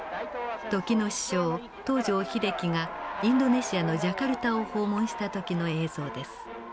時の首相東条英機がインドネシアのジャカルタを訪問した時の映像です。